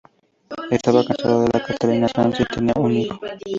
Estaba casado con Catalina Sanz y tenía un hijo.